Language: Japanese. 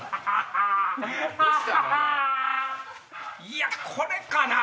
いやこれかな？